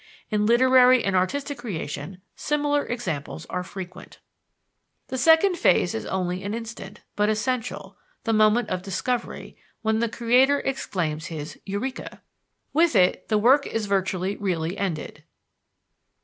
In literary and artistic creation similar examples are frequent. The second phase is only an instant, but essential the moment of discovery, when the creator exclaims his "Eureka!" With it, the work is virtually or really ended.